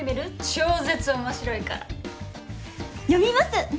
超絶面白いから読みます